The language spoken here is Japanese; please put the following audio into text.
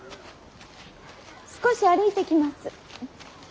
少し歩いてきます。